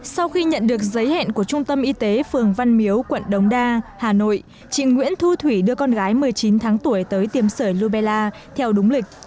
sau khi nhận được giấy hẹn của trung tâm y tế phường văn miếu quận đống đa hà nội chị nguyễn thu thủy đưa con gái một mươi chín tháng tuổi tới tiêm sởi lubella theo đúng lịch